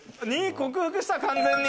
２、克服した、完全に。